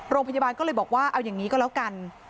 โรงพยาบาลก็เลยบอกว่าเอาอย่างนี้ก็แล้วกัน